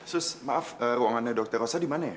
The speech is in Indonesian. sus maaf ruangannya dokter rosa di mana ya